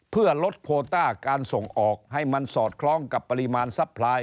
เพื่อลดโคต้าการส่งออกให้มันสอดคล้องกับปริมาณซัพพลาย